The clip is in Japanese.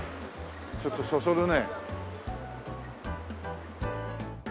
ちょっとそそるね。